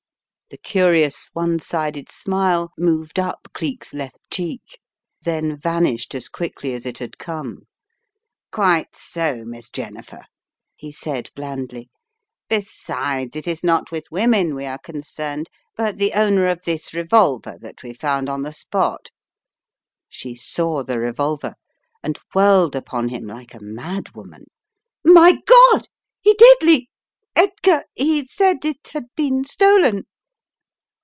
The curious one sided smile moved up Cleek's left cheek, then vanished as quickly as it had come. "Quite so, Miss Jennifer," he said, blandly. "Be sides, it is not with women we are concerned but the owner of this revolver that we found on the spot " She saw the revolver and whirled upon him like a mad woman. "My God! He did lea— Edgar— he said it had been stolen!"